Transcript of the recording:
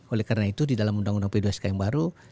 oleh karena itu di dalam undang undang p dua sk yang baru